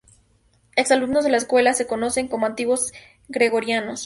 Ex alumnos de la escuela se conocen como antiguos gregorianos.